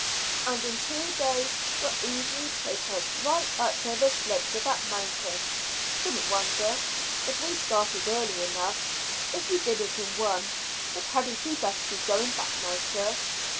"And two days will easily take us right up the slope of that mountain. Shouldn't wonder, if we started early enough, if we did it in one. But hadn't we better be going back now, sir?"